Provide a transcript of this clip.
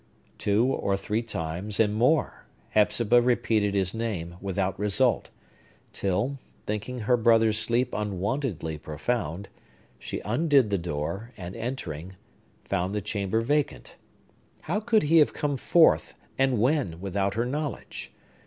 Two or three times, and more, Hepzibah repeated his name, without result; till, thinking her brother's sleep unwontedly profound, she undid the door, and entering, found the chamber vacant. How could he have come forth, and when, without her knowledge?